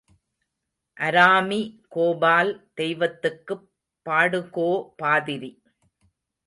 அராமி கோபால் தெய்வத்துக்குப் பாடுகோ பாதிரி.